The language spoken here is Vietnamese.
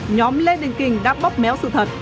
nhóm lê đình kình đã bóp méo sự thật